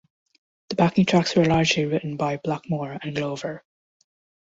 The backing tracks were largely written by Blackmore and Glover.